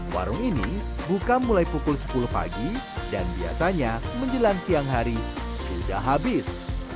warung ini buka mulai pukul sepuluh pagi dan biasanya menjelang siang hari sudah habis